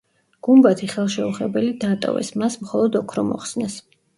გუმბათი ხელშეუხებელი დატოვეს, მას მხოლოდ ოქრო მოხსნეს.